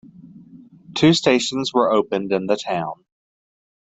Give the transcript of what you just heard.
Two stations were opened in the town.